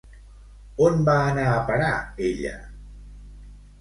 On va anar a parar ella?